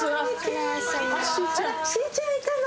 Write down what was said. しーちゃんいたの？